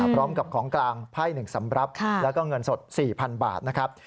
พร้อมกับของกลางไพ่๑สำรับแล้วก็เงินสด๔๐๐๐บาทนะครับ